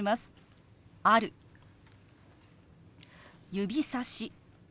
「指さし」。